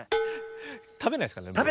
たべないですからね。